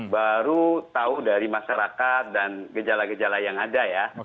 baru tahu dari masyarakat dan gejala gejala yang ada ya